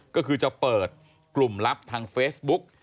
ก็คือจะเปิดกลุ่มลับทางเฟซบุ๊ก